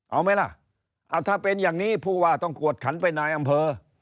เอาไหมล่ะถ้าเป็นอย่างนี้ผู้ว่าต้องกวดขันไปนายอำเภอ